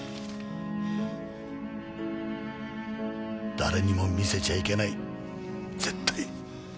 誰にも見せちゃいけない絶対。